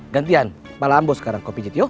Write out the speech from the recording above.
gantian kepala ambos sekarang kau pijet yuk